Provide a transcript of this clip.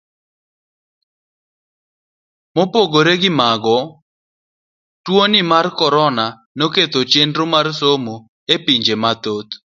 Mopogore gi mago, tuoni mar korona noketho chenro mar somo e pinje mathoth.